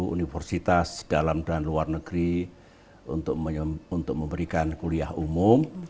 universitas dalam dan luar negeri untuk memberikan kuliah umum